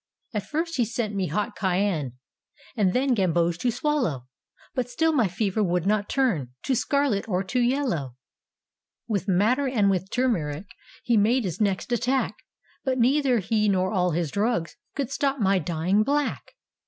At first he sent me hot cayenne, And then gamboge to swallow. But still my fever would not turn To scarlet or to yellow 1 " With madder and with turmeric. He made his next attack; But neither he nor all his drugs Could stop my dying black.